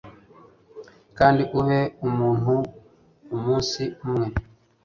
kandi ube umuntu umunsi umwe